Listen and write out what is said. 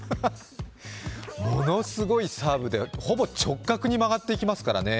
ものすごいサーブでほぼ直角に曲がってきますからね。